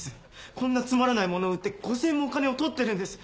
こんなつまらないものを売って５０００円もお金を取ってるんです。